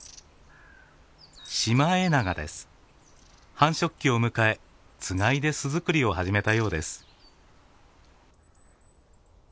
繁殖期を迎えつがいで巣づくりを始めたようです。